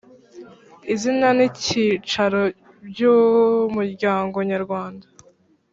Izina N Icyicaro By Umuryango Nyarwanda